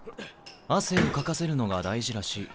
汗をかかせるのが大事らしい。